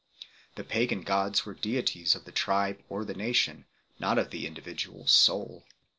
The pagan gods were deities of the tribe or the nation, v.not of the individual soul.